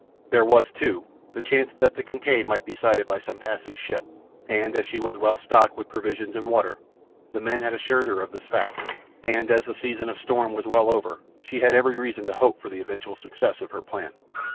There was, too, the chance that the Kincaid might be sighted by some passing ship, and as she was well stocked with provisions and water—the men had assured her of this fact—and as the season of storm was well over, she had every reason to hope for the eventual success of her plan.